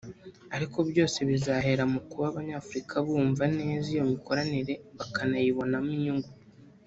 ariko byose bizahera mu kuba Abanyafurika bumva neza iyo mikoranire bakanayibonamo inyungu